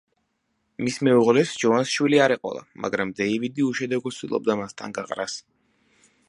მის მეუღლეს, ჯოანს შვილი არ ეყოლა, მაგრამ დეივიდი უშედეგოდ ცდილობდა მასთან გაყრას.